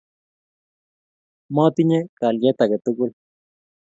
Motinye kalyet age tugul